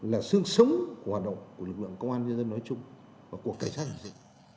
là sương sống của hoạt động của lực lượng công an nhân dân nói chung và của cảnh sát hình sự